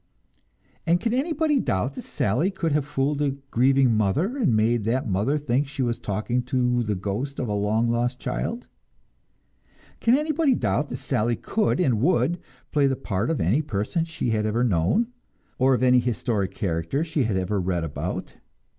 And can anybody doubt that Sally could have fooled a grieving mother, and made that mother think she was talking to the ghost of a long lost child? Can anybody doubt that Sally could and would play the part of any person she had ever known, or of any historic character she had ever read about?